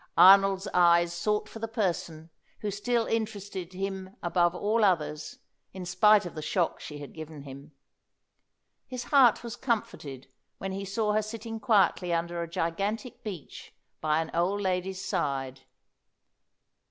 Arnold's eyes sought for the person who still interested him above all others, in spite of the shock she had given him. His heart was comforted when he saw her sitting quietly under a gigantic beech by an old lady's side.